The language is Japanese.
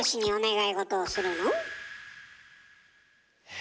え？